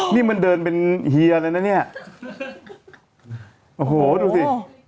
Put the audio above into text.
นี่มันเดินเป็นเฮียเลยนะเนี่ยโอ้โหดูสิ